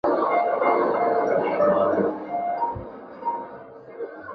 陈氏年轻时以美色选为朱温的妾室。